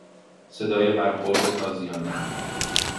صدای برخورد تازیانه